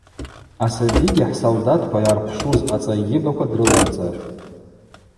Асабигьи хӏсолдатква йгӏархъвшвуз ацӏай йыбаква дрыларцӏатӏ.